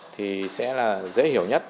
thì sẽ là dễ hiểu nhất